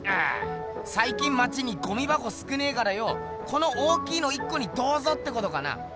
最近まちにゴミばこ少ねえからよこの大きいの１こにどうぞってことかな？